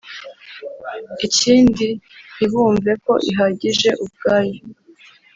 Ikindi ntibumve ko ihagije ubwayo